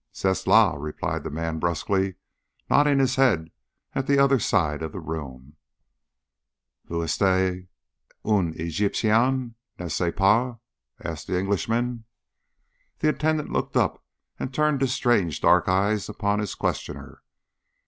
"C'est la," replied the man brusquely, nodding his head at the other side of the room. "Vous etes un Egyptien, n'est ce pas?" asked the Englishman. The attendant looked up and turned his strange dark eyes upon his questioner.